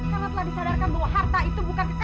karena telah disadarkan bahwa harta itu bukan kekal selamanya